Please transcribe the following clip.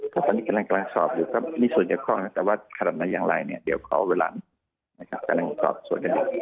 ครับตอนนี้กำลังกำลังสอบนี่ส่วนเกี่ยวข้องนะแต่ว่าขนาดนั้นอย่างไรเนี่ยเดี๋ยวขอเวลานะครับกำลังสอบส่วนอย่างไร